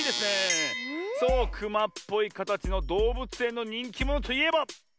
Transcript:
クマっぽいかたちのどうぶつえんのにんきものといえば？